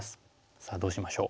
さあどうしましょう？